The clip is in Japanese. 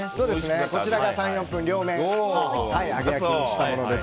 こちらが３４分両面、揚げ焼きにしたものです。